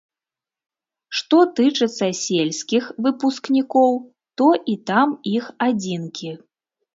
Што тычыцца сельскіх выпускнікоў, то і там іх адзінкі.